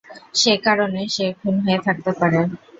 সে কারণে সে খুন হয়ে থাকতে পারে।